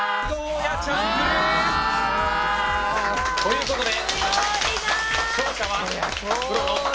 うわ。ということで。